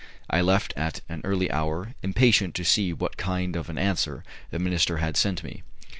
I left at an early hour, impatient to see what kind of an answer the minister had sent me.